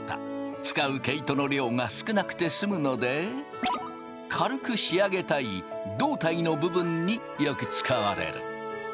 使う毛糸の量が少なくて済むので軽く仕上げたい胴体の部分によく使われる。